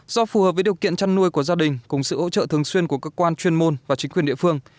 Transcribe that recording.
do phù hợp với điều kiện chăn nuôi của gia đình cùng sự hỗ trợ thường xuyên của cơ quan chuyên môn và chính quyền địa phương